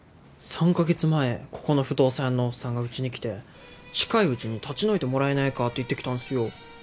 ３カ月前ここの不動産屋のおっさんがうちに来て近いうちに立ち退いてもらえないかって言ってきたんすよ。